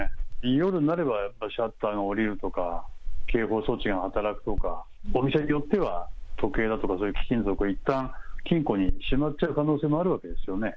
夜になれば、やっぱりシャッターが下りるとか、警報装置が働くとか、お店によっては時計だとか、そういう貴金属をいったん金庫にしまっちゃう可能性もあるわけですよね。